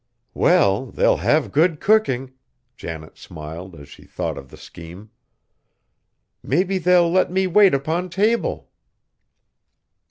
"Well, they'll have good cooking." Janet smiled as she thought of the scheme. "Maybe they'll let me wait upon table."